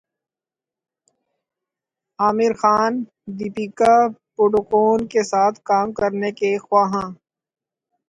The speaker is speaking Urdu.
عامرخان دپیکا پڈوکون کے ساتھ کام کرنے کے خواہاں